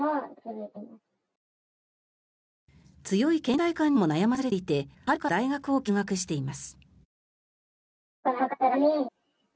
強いけん怠感にも悩まされていて春から大学を休学しています。